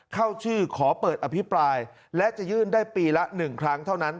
เข้าชื่อขอเปิดอภิปรายและจะยื่นได้ปีละ๑ครั้งเท่านั้น